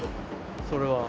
それは。